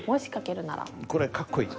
これ格好いい？